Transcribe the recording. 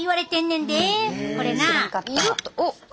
おっ！